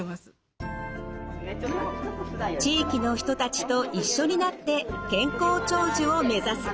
地域の人たちと一緒になって「健康長寿」を目指す。